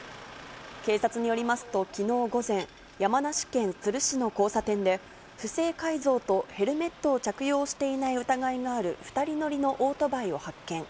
警察によりますと、きのう午前、山梨県都留市の交差点で、不正改造とヘルメットを着用していない疑いがある２人乗りのオートバイを発見。